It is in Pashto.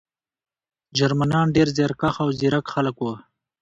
جرمنان ډېر زیارکښ او ځیرک خلک وو